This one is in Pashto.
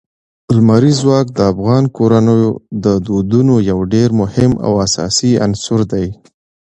لمریز ځواک د افغان کورنیو د دودونو یو ډېر مهم او اساسي عنصر دی.